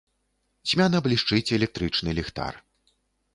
Цьмяна блішчыць электрычны ліхтар.